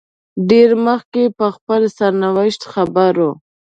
ډېر مخکې په خپل سرنوشت خبر وو.